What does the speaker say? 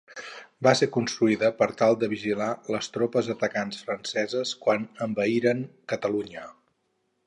Va ser construïda per tal de vigilar les tropes atacants franceses quan envaïren Catalunya.